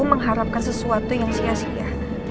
mengharapkan sesuatu yang sia sia